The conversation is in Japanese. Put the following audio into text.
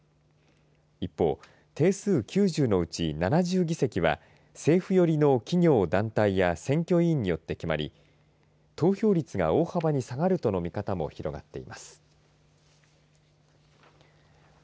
一方、定数９０のうち７０議席は政府寄りの企業・団体や選挙委員によって決まり投票率が大幅に下がるとの見方も広がっています。